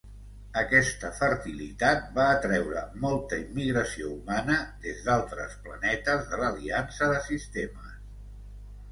Aquesta fertilitat va atreure molta immigració humana des d'altres planetes de l'Aliança de Sistemes.